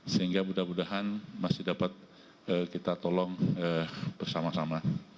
sehingga mudah mudahan masih dapat kita tolong bersama sama